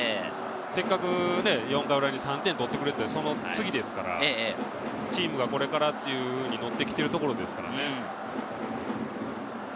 せっかく４回裏に３点取ってくれて、その次ですから、チームがこれからっていうふうにノッてきているところですからね。